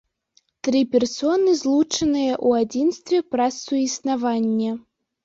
Тры персоны злучаныя ў адзінстве праз суіснаванне.